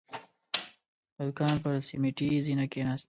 د دوکان پر سيميټي زينه کېناسته.